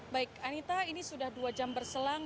baik anita ini sudah dua jam berselang